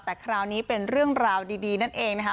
แต่คราวนี้เป็นเรื่องราวดีนั่นเองนะคะ